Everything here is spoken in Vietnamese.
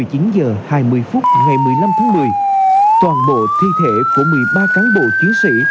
một mươi chín h hai mươi phút ngày một mươi năm tháng một mươi toàn bộ thi thể của một mươi ba cán bộ chiến sĩ